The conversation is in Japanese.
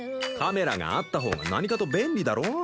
カメラがあった方が何かと便利だろ？